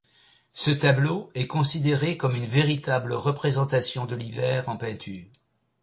Ce tableau est considéré comme une véritable représentation de l'hiver en peinture.